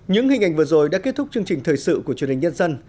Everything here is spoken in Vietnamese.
những hình ảnh vừa rồi đã kết thúc chương trình thời sự của truyền hình nhân dân